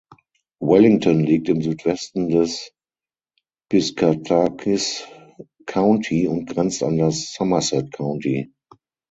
Wellington liegt im Südwesten des Piscataquis County und grenzt an das Somerset County.